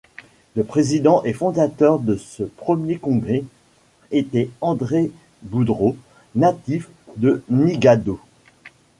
Le président et fondateur de ce premier congrès était André Boudreau, natif de Nigadoo.